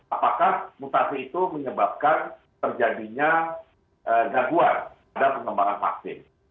apakah mutasi itu menyebabkan terjadinya gaguan pada pengembangan vaksin